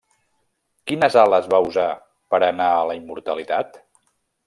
Quines ales va usar per anar a la immortalitat?